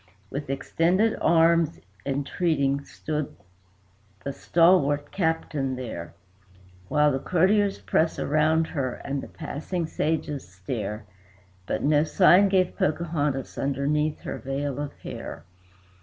With extended arms, entreating, stood the stalwart Captain there, While the courtiers press around her, and the passing pages stare; But no sign gave Pocahontas underneath her veil of hair.